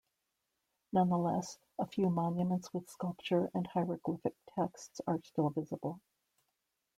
Nonetheless, a few monuments with sculpture and hieroglyphic texts are still visible.